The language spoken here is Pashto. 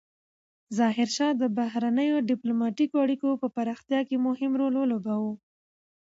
ظاهرشاه د بهرنیو ډیپلوماتیکو اړیکو په پراختیا کې مهم رول ولوباوه.